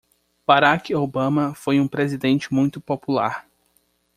Barack Obama foi um presidente muito popular.